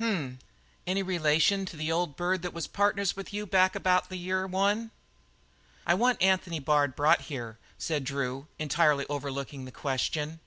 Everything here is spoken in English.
"H m! Any relation of the old bird that was partners with you back about the year one?" "I want Anthony Bard brought here," said. Drew, entirely overlooking the question.